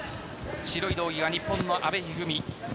白い道着が日本の阿部一二三